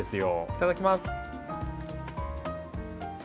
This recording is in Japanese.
いただきます。